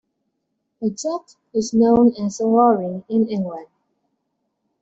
A truck is known as a lorry in England.